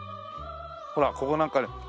ほらここなんか。